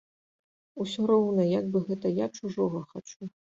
Усё роўна, як бы гэта я чужога хачу.